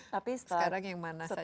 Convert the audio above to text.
tapi setelah covid saya berpikir begini